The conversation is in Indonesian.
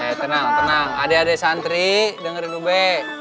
eh tenang tenang adik adik santri dengerin ube